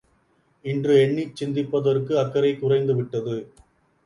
இன்று, எண்ணிச் சிந்திப்பதற்கு அக்கறை குறைந்து விட்டது.